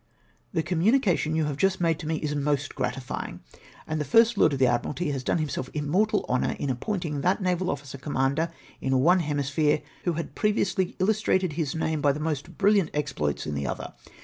" The communication you have just made to me is most gratifying ; and the First Lord of the Admiralty has done himself immortal honour in appointing that naval officer Commander in one hemisphere who had previously illus trated his name by his most brilliant exploits in the other.